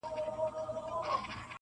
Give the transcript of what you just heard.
• چي ودڅنګ تې مقبره جوړه د سپي ده..